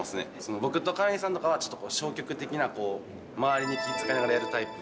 僕と亀井さんとかは、消極的な、周りに気を遣いながらやるタイプ。